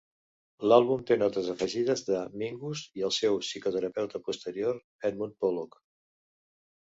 L"àlbum té notes afegides de Mingus i el seu psicoterapeuta posterior, Edmund Pollock.